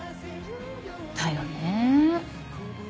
だよねぇ。